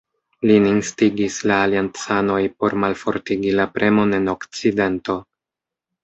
Lin instigis la aliancanoj por malfortigi la premon en okcidento.